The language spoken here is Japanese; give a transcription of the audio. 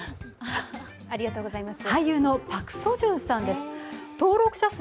ありがとうございます。